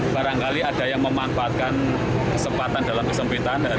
barangkali ada yang memanfaatkan kesempatan dalam kesempitan